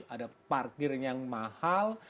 ada parkir yang mahal